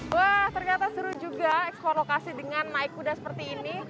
wah ternyata seru juga ekspor lokasi dengan naik kuda seperti ini